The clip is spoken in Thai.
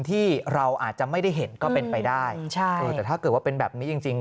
ที่เราอาจจะไม่ได้เห็นก็เป็นไปได้ใช่เออแต่ถ้าเกิดว่าเป็นแบบนี้จริงจริง